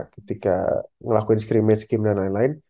ketika ngelakuin scrimmage game dan lain lain